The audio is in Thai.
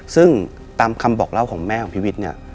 ซึ่งตามคำบอกเล่าของแม่ของพี่วิทย์เนี่ย